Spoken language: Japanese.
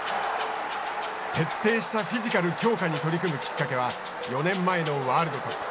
徹底したフィジカル強化に取り組むきっかけは４年前のワールドカップ。